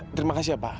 terima kasih pak